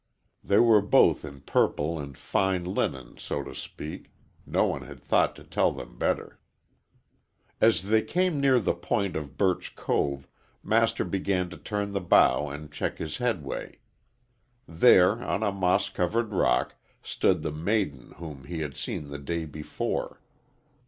They were both in purple and fine linen, so to speak no one had thought to tell them better. As they came near the point of Birch Cove, Master began to turn the bow and check his headway. There, on a moss covered rock, stood the maiden whom he had seen the day before.